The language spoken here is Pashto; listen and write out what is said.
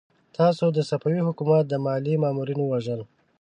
تاسو د صفوي حکومت د ماليې مامورين ووژل!